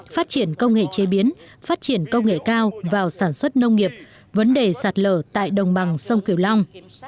phát triển công nghệ chế biến phát triển công nghệ cao vào sản xuất nông nghiệp vấn đề sạt lở tại đồng bằng sông kiều long